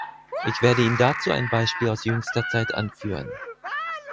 Ich werde Ihnen dazu ein Beispiel aus jüngster Zeit anführen.